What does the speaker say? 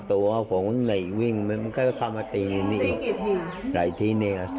ติ๊กผมมือรับนี่